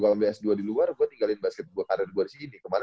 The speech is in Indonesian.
gue ambil s dua di luar gue tinggalin basket karir gue disini kemaren